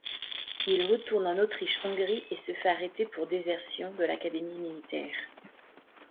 Il retourne en Autriche-Hongrie et se fait arrêter pour désertion de l'Académie militaire.